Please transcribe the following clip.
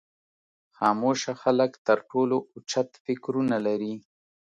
خاموشه خلک تر ټولو اوچت فکرونه لري.